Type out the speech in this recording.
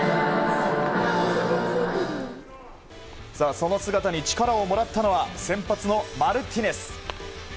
その姿に力をもらったのは先発のマルティネス。